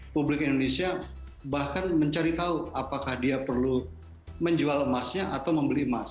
publik indonesia bahkan mencari tahu apakah dia perlu menjual emasnya atau membeli emas